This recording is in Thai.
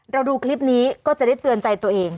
ดูคลิปนี้ก็จะได้เตือนใจตัวเอง